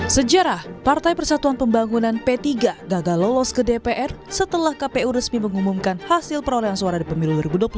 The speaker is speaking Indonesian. sejarah partai persatuan pembangunan p tiga gagal lolos ke dpr setelah kpu resmi mengumumkan hasil perolehan suara di pemilu dua ribu dua puluh empat